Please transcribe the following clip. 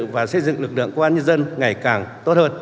và xây dựng lực lượng công an nhân dân ngày càng tốt hơn